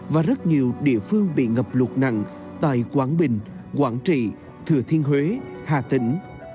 và rất nhiều địa phương bị ngập lụt nặng tại quảng bình quảng trị thừa thiên huế hà tĩnh